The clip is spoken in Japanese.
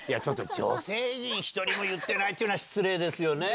女性陣一人も言ってないのは失礼ですよね。